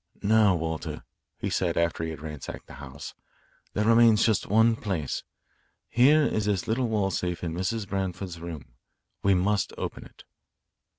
"Now, Walter," he said after he had ransacked the house, "there remains just one place. Here is this little wall safe in Mrs. Branford's room. We must open it."